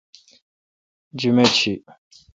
جمیت شی۔